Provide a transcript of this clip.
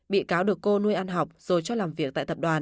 bị cáo được cô nuôi ăn học rồi cho làm việc tại tập đoàn